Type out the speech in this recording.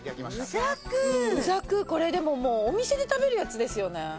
鰻ざくこれでももうお店で食べるやつですよね。